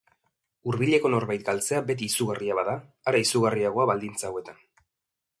Hurbileko norbait galtzea beti izugarria bada, are izugarriagoa baldintza hauetan.